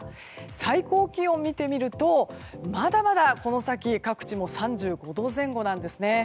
最高気温を見てみるとまだまだ、この先各地も３５度前後なんですね。